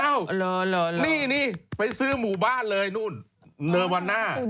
อ้าวนี่นี่ไปซื้อหมู่บ้านเลยเนอร์วันหน้า